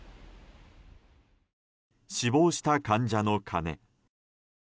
死亡した患者の金。